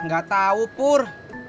gak tau pur